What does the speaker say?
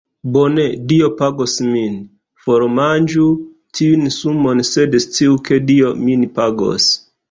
Bone, Dio pagos min. Formanĝu tiun sumon sed sciu ke Dio min pagos